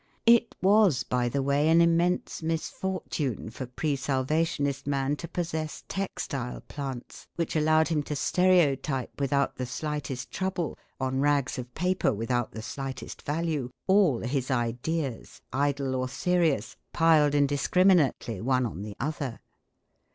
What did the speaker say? It was, by the way, an immense misfortune for "pre salvationist" man to possess textile plants which allowed him to stereotype without the slightest trouble on rags of paper without the slightest value, all his ideas, idle or serious, piled indiscriminately one on the other.